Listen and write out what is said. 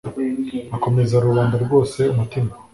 akomeza rubanda rwose umutima